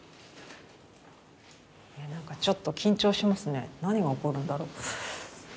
ちょっと緊張しますね何が起こるんだろう。